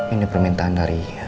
ini permintaan dari